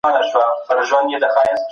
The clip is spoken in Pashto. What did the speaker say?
حق ویل د هر انسان اخلاقي دنده ده.